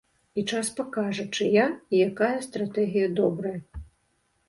І час пакажа, чыя і якая стратэгія добрая.